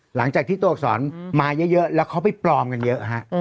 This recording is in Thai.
หลังจากที่ตัวอักษรมาเยอะแล้วเขาไปปลอมกันเยอะฮะ